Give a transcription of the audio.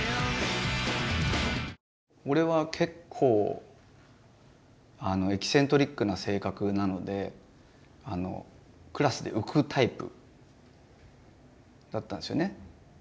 俺は結構エキセントリックな性格なのでクラスで浮くタイプだったんですよね。